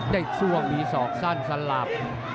เด้งส่วงมีสอกสั้นสลับ